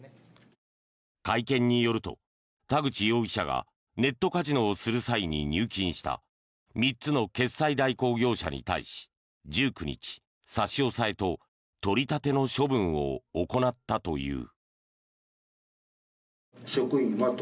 会見によると田口容疑者がネットカジノをする際に入金した３つの決済代行業者に対し１９日、差し押さえと取り立ての処分を行ったという。